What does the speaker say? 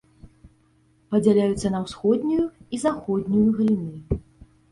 Падзяляюцца на ўсходнюю і заходнюю галіны.